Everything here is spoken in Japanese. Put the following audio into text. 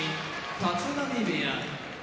立浪部屋